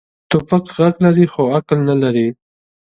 توپک غږ لري، خو عقل نه لري.